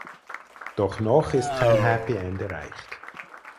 Doch noch ist kein "Happy End" erreicht.